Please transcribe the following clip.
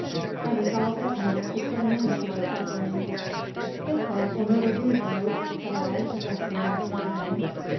I resolved at length to put an end to our sufferings. "This life will never do, Gode," said I, addressing my compagnon.